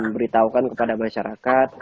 beritahukan kepada masyarakat